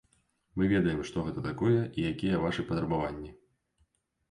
Мы ведаем, што гэта такое і якія вашыя патрабаванні.